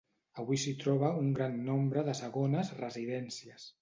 Avui s'hi troba un gran nombre de segones residències.